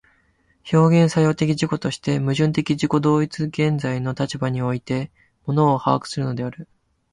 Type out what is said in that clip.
表現作用的自己として、矛盾的自己同一的現在の立場において物を把握するのである。